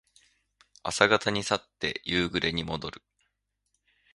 朝方に去って夕暮れにもどる。